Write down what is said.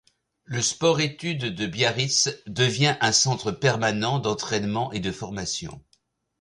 Le sport études de Biarritz devient un Centre permanent d'entraînement et de formation.